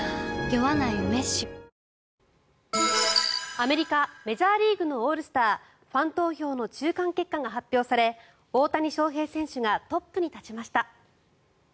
アメリカ・メジャーリーグのオールスターファン投票の中間結果が発表され大谷翔平選手がトップに立ちました。